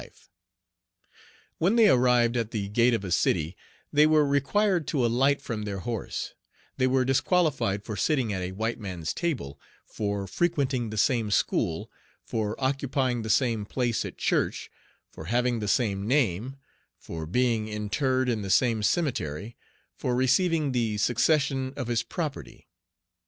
Page 32 When they arrived at the gate of a city, they were required to alight from their horse; they were disqualified for sitting at a white man's table, for frequenting the same school, for occupying the same place at church, for having the same name, for being interred in the same cemetery, for receiving the succession of his property.